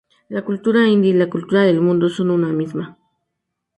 La cultura india y la cultura del mundo son una misma".